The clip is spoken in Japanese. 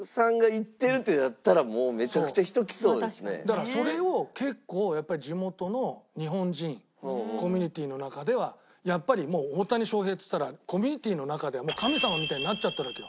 だからそれを結構やっぱり地元の日本人コミュニティーの中ではやっぱり大谷翔平っつったらコミュニティーの中ではもう神様みたいになっちゃってるわけよ。